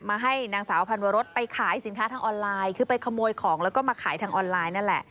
ให้นางสาวพันวรสไปขายสินค้าทางออนไลน์คือไปขโมยของแล้วก็มาขายทางออนไลน์นั่นแหละ